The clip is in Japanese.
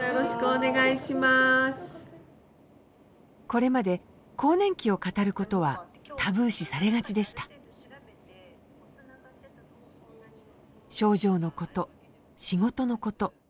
これまで更年期を語ることはタブー視されがちでした症状のこと仕事のこと。